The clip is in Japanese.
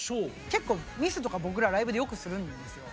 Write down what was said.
結構ミスとか僕らライブでよくするんですよ。